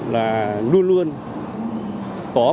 là luôn luôn có